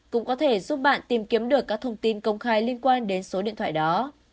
cũng có thể giúp bạn tìm kiếm được các thông tin công khai liên quan đến số điện thoại đó